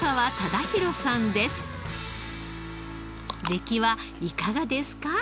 出来はいかがですか？